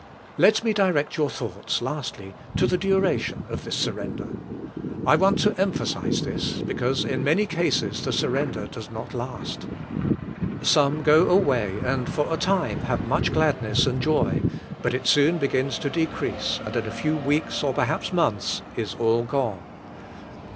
Let me direct your thoughts, lastly, to the du ration of this surrender. I want to emphasize this — because in many cases the surrender does not last. Some go away, and for a time have much gladness and joy, but it soon begins to decrease, THE COMPLETE SURRENDER 111 and in a few weeks or perhaps months is all gone.